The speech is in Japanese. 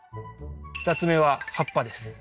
２つ目は葉っぱです。